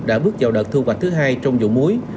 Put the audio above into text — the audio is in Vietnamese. đã bước vào đợt thu hoạch thứ hai trong vụ muối